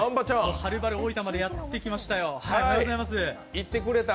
はるばる大分までやってきましたよ。